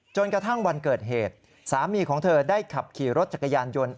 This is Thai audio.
จนกระทั่งวันเกิดเหตุสามีของเธอได้ขับขี่รถจักรยานยนต์